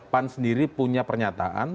pan sendiri punya pernyataan